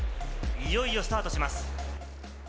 いよいよスタートします。